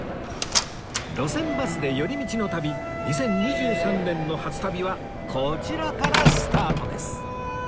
『路線バスで寄り道の旅』２０２３年の初旅はこちらからスタートです